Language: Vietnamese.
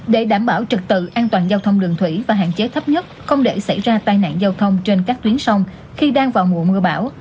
để đảm bảo trực tự an toàn giao thông đường thủy và hạn chế thấp nhất không để xảy ra tai nạn giao thông trên các tuyến sông khi đang vào mùa mưa bão